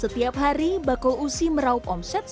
setiap hari bakulusi meraup omset sekitar tujuh hingga sepuluh jam